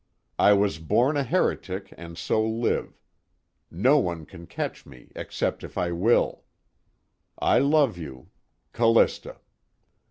I was born a heretic and so live. No one can catch me except if I will. "I love you. "Callista."